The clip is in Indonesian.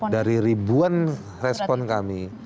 dari ribuan respon kami